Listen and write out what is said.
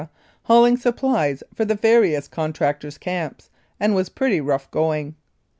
hauling supplies for the various contractors' camps, and was pretty rough going.